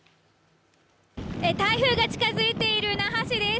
台風が近づいている那覇市です。